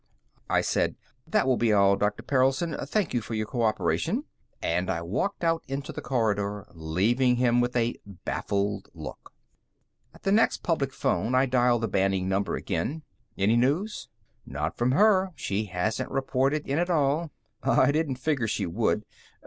I said, "That will be all, Dr. Perelson. Thank you for your co operation." And I walked out into the corridor, leaving him with a baffled look. At the next public phone, I dialed the BANning number again. "Any news?" "Not from her; she hasn't reported in at all." "I didn't figure she would.